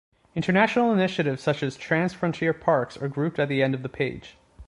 International initiatives such as transfrontier parks are grouped at the end of the page.